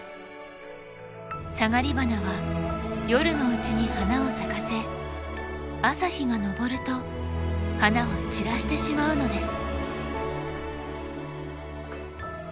サガリバナは夜のうちに花を咲かせ朝日が昇ると花を散らしてしまうのです。